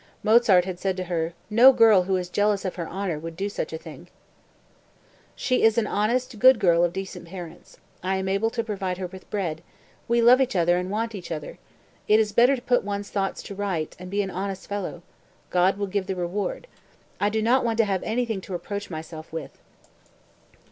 Mozart had said to her: "No girl who is jealous of her honor would do such a thing.") 195. "She is an honest, good girl of decent parents; I am able to provide her with bread; we love each other and want each other!...It is better to put one's things to rights and be an honest fellow! God will give the reward! I do not want to have anything to reproach myself with."